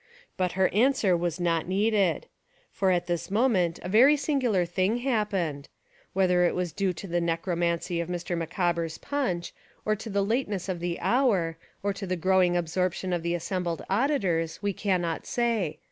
But her answer was not needed. For at this moment a very singular thing happened. Whether it was due to the necromancy of Mr. 2i8 Fiction and Reality Micawber's punch, or to the lateness of the hour, or to the growing absorption of the as sembled auditors, we cannot say.